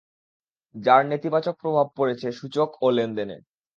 যার নেতিবাচক প্রভাব পড়েছে সূচক ও লেনদেনে।